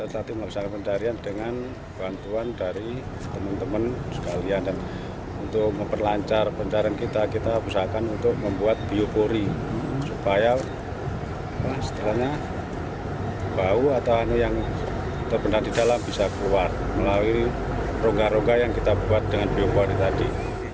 supaya setelahnya bau atau anu yang terbentak di dalam bisa keluar melalui rongga rongga yang kita buat dengan biopori tadi